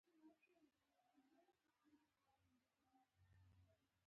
ما ورنه وپوښتل چې څه خبره ده، څه پېښ شوي؟